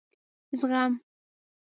زغم ....